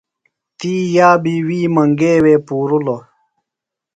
تی یابی وی منگے وے پُورِلوۡ۔